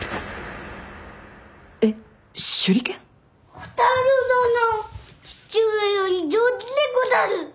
蛍殿父上より上手でござる。